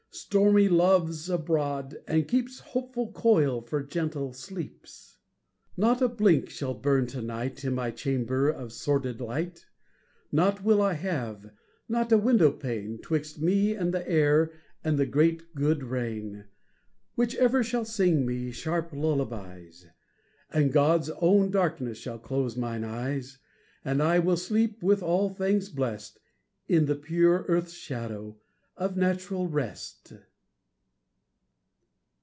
Stormy Love's abroad, and keeps Hopeful coil for gentle sleeps. Not a blink shall burn to night In my chamber, of sordid light; Nought will I have, not a window pane, 'Twixt me and the air and the great good rain, Which ever shall sing me sharp lullabies; And God's own darkness shall close mine eyes; And I will sleep, with all things blest, In the pure earth shadow of natural rest.